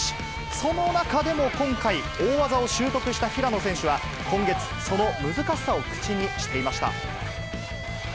その中でも今回、大技を習得した平野選手は、今月、その難しさを口にしていました。